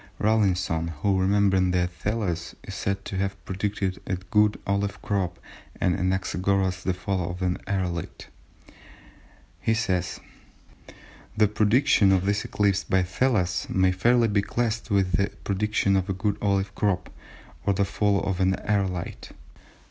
Rawlinson, who, remembering that Thales is said to have predicted a good olive crop, and Anaxagoras the fall of an aërolite, says:—"The prediction of this eclipse by Thales may fairly be classed with the prediction of a good olive crop, or the fall of an aërolite.